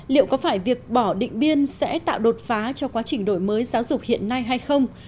liệu có phải việc bỏ định biên sẽ tạo đột phá cho quá trình đổi mới giáo dục hiện nay hay không